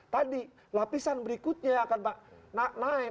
tadi lapisan berikutnya yang akan naik